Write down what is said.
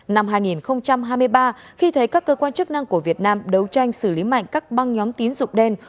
năm hai nghìn hai mươi ba khi thấy các cơ quan chức năng của việt nam đấu tranh xử lý mạnh các băng nhóm tín dụng đen